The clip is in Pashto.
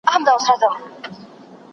ما تېره اونۍ خپل ټول پورونه ادا کړل.